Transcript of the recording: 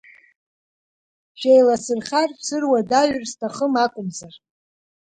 Шәеиласырхар, шәсыруадаҩыр сҭахым акәымзар…